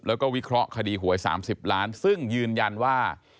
แล้วก็วิเคราะห์คดีหวย๓๐ล้านซึ่งยืนยันว่า